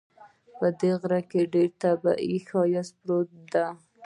په دې غره کې ډېر طبیعي ښایست پروت ده